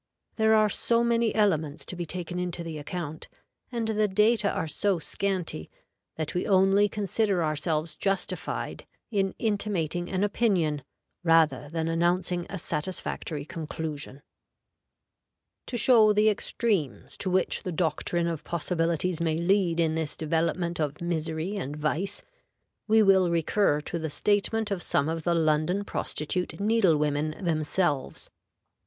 There are so many elements to be taken into the account, and the data are so scanty, that we only consider ourselves justified in intimating an opinion rather than announcing a satisfactory conclusion. To show the extremes to which the doctrine of possibilities may lead in this development of misery and vice, we will recur to the statement of some of the London prostitute needle women themselves.